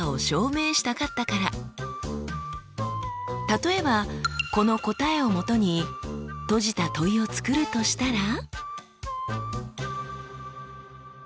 例えばこの答えをもとに閉じた問いを作るとしたら？